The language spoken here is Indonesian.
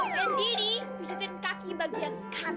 dan didi pijetin kaki bagian kanan